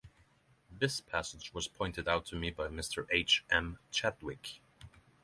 This passage was pointed out to me by Mr. H. M. Chadwick.